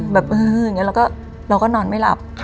แบบเออเราก็นอนไม่หลับ